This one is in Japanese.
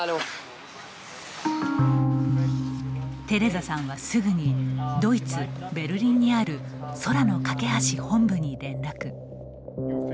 テレザさんはすぐにドイツ・ベルリンにある空の架け橋本部に連絡。